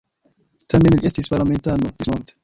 Tamen li estis parlamentano ĝismorte.